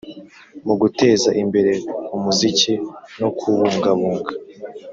mu guteza imbere umuziki no kuwubungabunga.